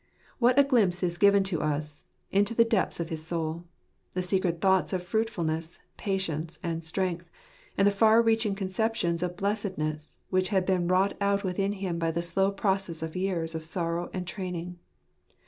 What a glimpse is given to us into the depths of his soul ; the secret thoughts of fruitfulness, patience, and strength, and the far reaching conceptions of blessedness, which had been wrought out within him by the slow process of years of sorrow and training